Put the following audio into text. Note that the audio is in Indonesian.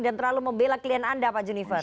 dan terlalu membela klien anda pak juniver